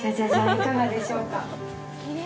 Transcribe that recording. いかがでしょうか？